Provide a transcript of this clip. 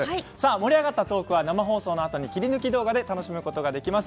盛り上がったトークは生放送のあとに切り抜き動画で楽しむことができます。